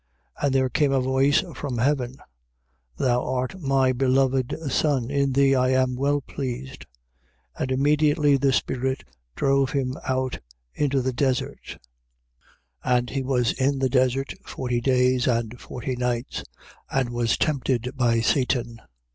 1:11. And there came a voice from heaven: Thou art my beloved Son; in thee I am well pleased. 1:12. And immediately the Spirit drove him out into the desert. 1:13. And he was in the desert forty days and forty nights, and was tempted by Satan.